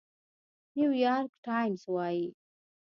نيويارک ټايمز وايي،